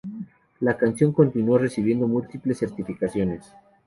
La canción continuó recibiendo múltiples certificaciones.